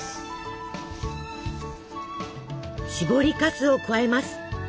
しぼりかすを加えます。